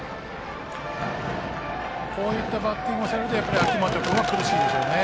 こういったバッティングをされると秋本君は苦しいでしょうね。